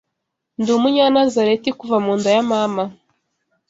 ndi Umunyanazareti kuva mu nda ya mama